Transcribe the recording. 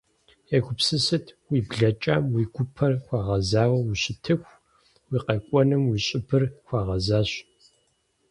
Егупсысыт: уи блэкӏам уи гупэр хуэгъэзауэ ущытыху, уи къэкӏуэнум уи щӏыбыр хуэгъэзащ.